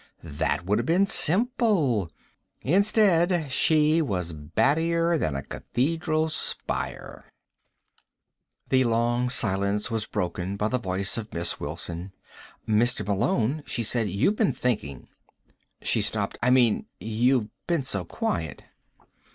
That would have been simple. Instead, she was battier than a cathedral spire. The long silence was broken by the voice of Miss Wilson. "Mr. Malone," she said, "you've been thinking." She stopped. "I mean, you've been so quiet."